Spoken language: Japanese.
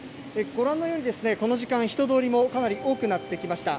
ご覧のようにこの時間、人通りもかなり多くなってきました。